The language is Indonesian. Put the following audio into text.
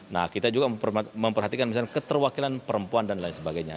nah kita juga memperhatikan misalnya keterwakilan perempuan dan lain sebagainya